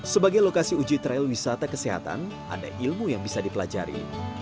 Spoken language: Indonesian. sebagai lokasi uji trail wisata kesehatan ada ilmu yang bisa dipelajari